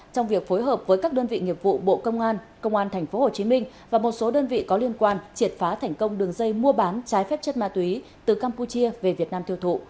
trong việc phối hợp với các đơn vị nghiệp vụ bộ công an công an tp hcm và một số đơn vị có liên quan triệt phá thành công đường dây mua bán trái phép chất ma túy từ campuchia về việt nam tiêu thụ